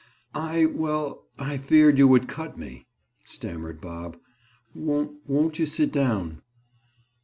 "I—well, I feared you would cut me," stammered Bob. "Won't—won't you sit down?"